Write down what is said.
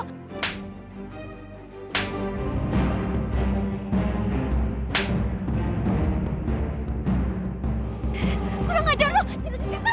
gua udah ngajar lu